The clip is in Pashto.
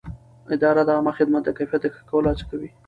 اداره د عامه خدمت د کیفیت د ښه کولو هڅه کوي.